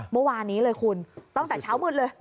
เมื่อวานนี้เลยคุณตั้งแต่เช้ามืดเลย